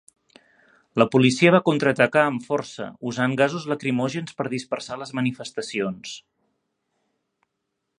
La policia va contraatacar amb força, usant gasos lacrimògens per dispersar les manifestacions.